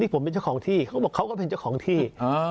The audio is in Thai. ผมเป็นเจ้าของที่เขาบอกเขาก็เป็นเจ้าของที่